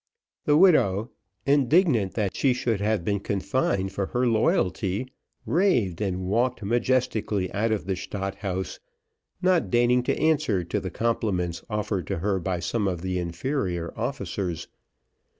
The widow indignant that she should have been confined for her loyalty, raved and walked majestically out of the Stadt House, not deigning to answer to the compliments offered to her by some of the inferior officers.